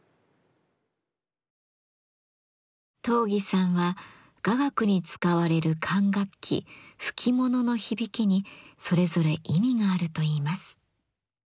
東儀さんは雅楽に使われる管楽器「吹きもの」の響きにそれぞれ意味があるといいます。